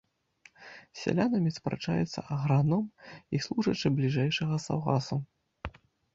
З сялянамі спрачаецца аграном і служачы бліжэйшага саўгасу.